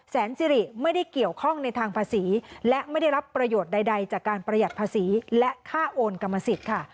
สิริไม่ได้เกี่ยวข้องในทางภาษีและไม่ได้รับประโยชน์ใดจากการประหยัดภาษีและค่าโอนกรรมสิทธิ์ค่ะ